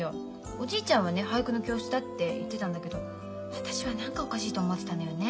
おじいちゃんはね俳句の教室だって言ってたんだけど私は何かおかしいと思ってたのよね。